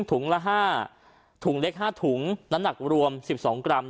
ถุงละห้าถุงเล็กห้าถุงน้ำหนักรวมสิบสองกรัม